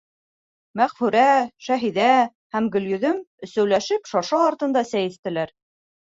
Мәғфүрә, Шәһиҙә һәм Гөлйөҙөм өсәүләшеп шаршау артында сәй эстеләр.